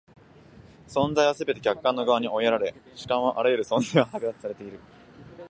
存在はすべて客観の側に追いやられ、主観はあらゆる存在を剥奪されている。